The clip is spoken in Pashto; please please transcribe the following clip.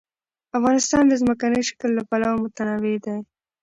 افغانستان د ځمکنی شکل له پلوه متنوع دی.